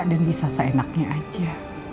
dan bisa seenaknya aja